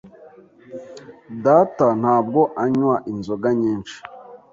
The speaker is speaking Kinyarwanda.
Data ntabwo anywa inzoga nyinshi.